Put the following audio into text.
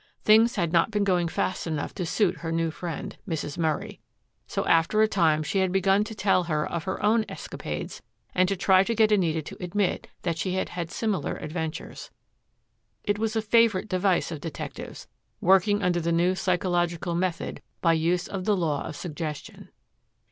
Things had not been going fast enough to suit her new friend, Mrs. Murray. So, after a time, she had begun to tell of her own escapades and to try to get Anita to admit that she had had similar adventures. It was a favorite device of detectives, working under the new psychological method by use of the law of suggestion.